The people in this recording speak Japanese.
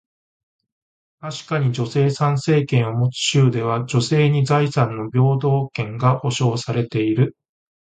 確かに、女性参政権を持つ州では、女性に財産の平等権が保証されている。